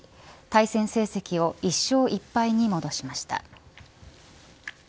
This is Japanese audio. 対戦成績を１勝１敗に戻しました。